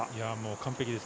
完璧です。